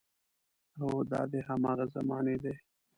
هو، دا د هماغې زمانې دی.